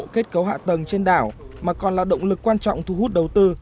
kết cấu hạ tầng trên đảo mà còn là động lực quan trọng thu hút đầu tư